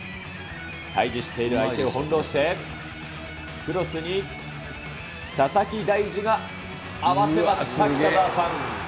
対じしている相手を翻弄して、クロスに、佐々木大樹が合わせました、北澤さん。